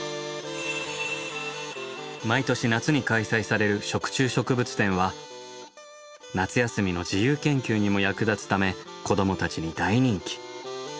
毎年夏に開催される食虫植物展は夏休みの自由研究にも役立つため子どもたちに大人気。